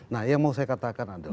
nah yang mau saya katakan adalah